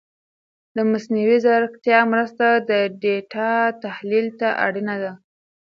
د مصنوعي ځیرکتیا مرسته د ډېټا تحلیل ته اړینه ده.